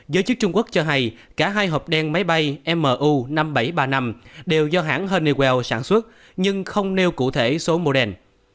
giới chức trung quốc cho hay cả hai hợp đen máy bay miu năm nghìn bảy trăm ba mươi năm đều do hãng honnewell sản xuất nhưng không nêu cụ thể số model